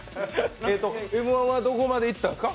Ｍ−１は、どこまでいったんですか？